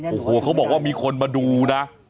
โอ้โหเขาบอกว่ามีคนมาดูนะ